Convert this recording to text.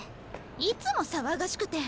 いつも騒がしくて。